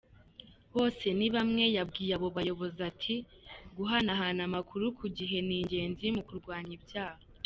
Bosenibamwe yabwiye abo bayobozi ati :"Guhanahana amakuru ku gihe ni ingenzi mu kurwanya ibyaha.